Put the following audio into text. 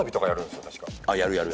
やるやる。